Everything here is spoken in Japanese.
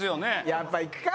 やっぱ行くか。